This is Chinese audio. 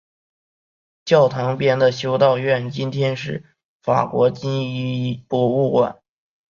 教堂边的修道院今天是法国军医博物馆。